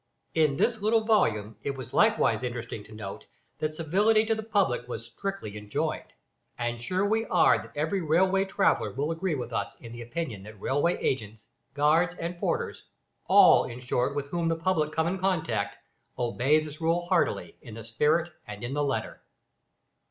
In this little volume it was likewise interesting to note, that civility to the public was strictly enjoined; and sure we are that every railway traveller will agree with us in the opinion that railway agents, guards, and porters, all, in short with whom the public come in contact, obey this rule heartily, in the spirit and in the letter.